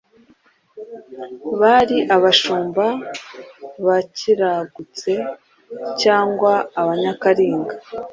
bari Abashumba ba Kiragutse cyangwa Abanyakalinga